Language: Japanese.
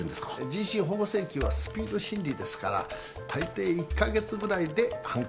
人身保護請求はスピード審理ですから大抵１か月ぐらいで判決は出ます。